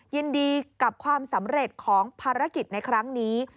ยินดีกับความสำเร็จของภารกิจในครั้งนี้